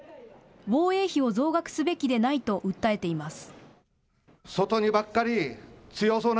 防衛費を増額すべきでないと訴えています。